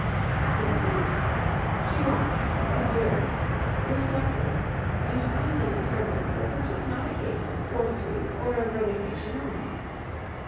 How could it be? She watched, observed, reflected, and finally determined that this was not a case of fortitude or of resignation only.